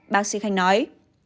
bác sĩ khanh nói